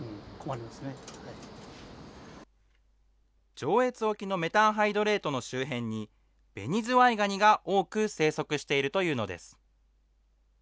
上越沖のメタンハイドレートの周辺に、ベニズワイガニが多く生息しているというのです。